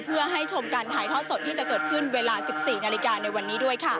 เพื่อให้ชมการถ่ายทอดสดที่จะเกิดขึ้นเวลา๑๔นาฬิกาในวันนี้ด้วยค่ะ